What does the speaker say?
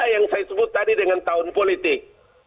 yang saya sebut tadi dengan tahun politik